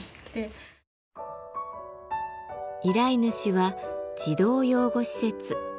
依頼主は児童養護施設。